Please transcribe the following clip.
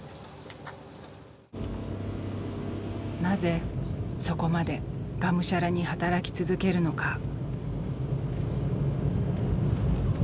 なぜそこまでがむしゃらに働き続けるのか。